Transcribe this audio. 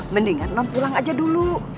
mendingan non pulang aja dulu